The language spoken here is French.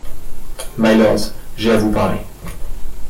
Mylords, j’ai à vous parler.